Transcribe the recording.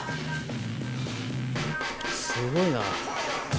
すごいな。